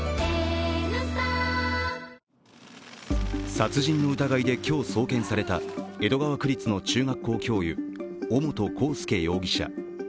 殺人の疑いで今日、送検された江戸川区立の中学校教諭尾本幸祐容疑者。